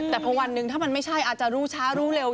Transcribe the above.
แต่พอวันหนึ่งถ้ามันไม่ใช่อาจจะรู้ช้ารู้เร็ว